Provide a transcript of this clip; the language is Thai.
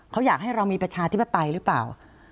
เขาอยากให้เรามีประชาธิปไตยหรือเปล่า